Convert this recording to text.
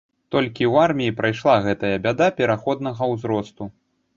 Толькі ў арміі прайшла гэтая бяда пераходнага ўзросту.